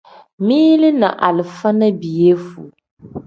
Mili ni alifa ni piyefuu.